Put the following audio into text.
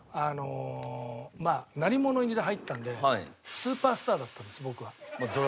あのまあ鳴り物入りで入ったんでスーパースターだったんです僕は。